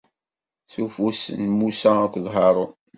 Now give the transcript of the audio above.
S ufus n Musa akked Harun.